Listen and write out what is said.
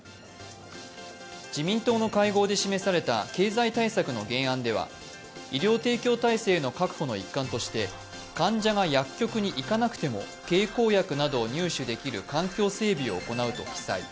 自民党の会合で示された経済対策の原案では、医療提供体制の確保の一環として患者が薬局に行かなくても経口薬などを入手できる環境整備を行うと記載。